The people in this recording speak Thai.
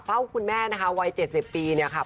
คุณแม่นะคะวัย๗๐ปีเนี่ยค่ะ